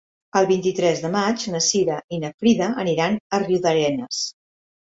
El vint-i-tres de maig na Cira i na Frida aniran a Riudarenes.